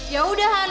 ya udah han